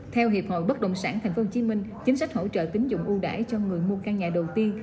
theo hiệp hội bất đồng sản tp hcm chính sách hỗ trợ tính dụng ưu đải cho người mua căn nhà đầu tiên